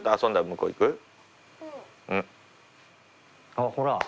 あっほら。